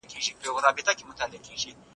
ايا تاسې د خلګو پيغورونه زغملای سئ؟